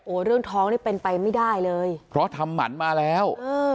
เรื่องท้องนี่เป็นไปไม่ได้เลยเพราะทำหมันมาแล้วเออ